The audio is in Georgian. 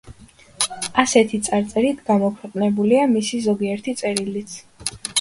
ასეთი წარწერით გამოქვეყნებულია მისი ზოგიერთი წერილიც.